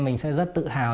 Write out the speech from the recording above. mình sẽ rất tự hào